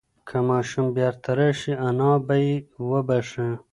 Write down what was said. که ماشوم بیرته راشي انا به یې وبښي.